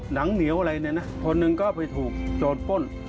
หนังเหนียวอะไรเนี่ยนะคนหนึ่งก็ไปถูกโจรป้น